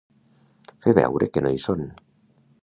Fer veure que no hi són.